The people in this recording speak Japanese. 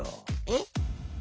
えっ？